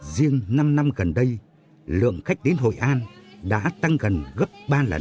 riêng năm năm gần đây lượng khách đến hội an đã tăng gần gấp ba lần